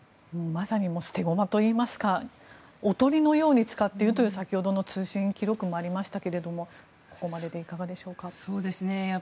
まさに捨て駒といいますかおとりのように使っているという先ほどの通信記録もありましたけれどもここまででいかがでしょうか。